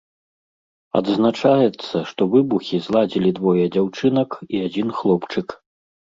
Адзначаецца, што выбухі зладзілі двое дзяўчынак і адзін хлопчык.